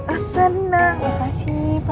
oh senang makasih papa